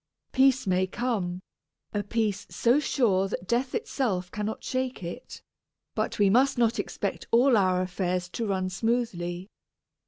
Peace may come, a peace so sure that death itself cannot shake it, but we must not expect all our affairs to run smoothly.